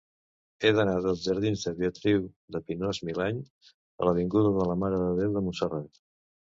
He d'anar dels jardins de Beatriu de Pinós-Milany a l'avinguda de la Mare de Déu de Montserrat.